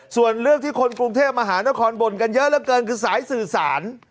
ส่วนเรื่องที่คนกรุงเทพมหานครบ่นกันเยอะเหลือเกินคือสายสื่อสาร